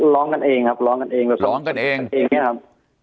ร้องกันเองครับร้องกันเองร้องกันเองครับ